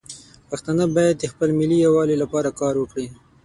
پښتانه باید د خپل ملي یووالي لپاره کار وکړي.